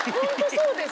そうです